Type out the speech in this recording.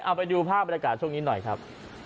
เอาไปดูภาพบรรยากาศช่วงนี้หน่อยครับ